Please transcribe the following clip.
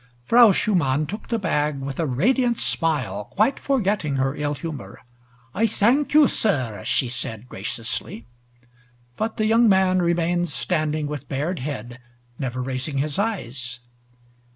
Frau Schumann took the bag with a radiant smile, quite forgetting her ill humor. "I thank, you sir," she said graciously. But the young man remained standing with bared head, never raising his eyes.